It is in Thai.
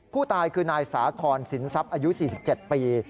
ผู้ตายคือนายสาคอนสินทรัพย์อายุ๔๗ปี